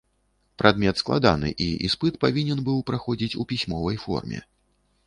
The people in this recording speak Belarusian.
Прадмет складаны, і іспыт павінен быў праходзіць у пісьмовай форме.